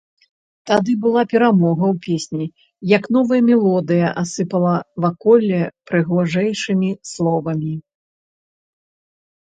Тады была перамога ў песні, як новая мелодыя асыпала ваколле прыгажэйшымі словамі.